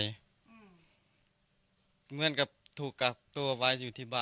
เหมือนกับถูกกักตัวไว้อยู่ที่บ้าน